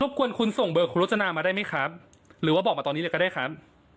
ควรคุณส่งเบอร์คุณรจนามาได้ไหมครับหรือว่าบอกมาตอนนี้เลยก็ได้ครับ